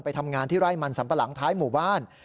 ทำงานที่ไร่มันสัมปะหลังท้ายหมู่บ้าน